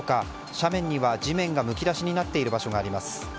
斜面には地面がむき出しになっている場所があります。